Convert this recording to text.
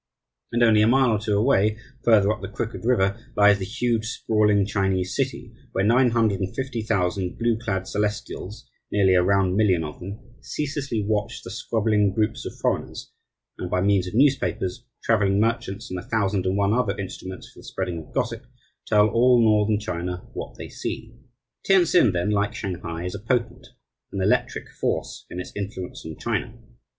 And only a mile or two away, further up the crooked river, lies the huge, sprawling Chinese city, where nine hundred and fifty thousand blue clad celestials nearly a round million of them ceaselessly watch the squabbling groups of foreigners, and by means of newspapers, travelling merchants, and the thousand and one other instruments for the spreading of gossip, tell all Northern China what they see. Tientsin, then, like Shanghai, is a potent, an electric, force in its influence on China.